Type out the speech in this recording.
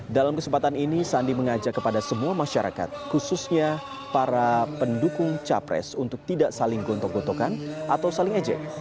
dalam kesempatan ini sandi mengajak kepada semua masyarakat khususnya para pendukung capres untuk tidak saling gontok gotokan atau saling ejek